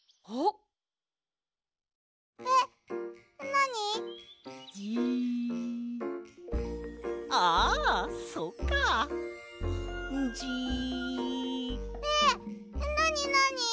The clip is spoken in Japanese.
なになに？